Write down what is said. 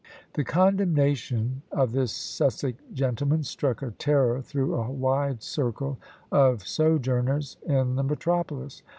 The condemnation of this Sussex gentleman struck a terror through a wide circle of sojourners in the metropolis.